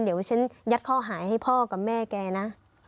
เดี๋ยวฉันยัดข้อหาให้พ่อกับแม่แกนะ